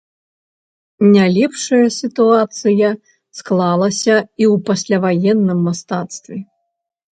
Не лепшая сітуацыя склалася і ў пасляваенным мастацтве.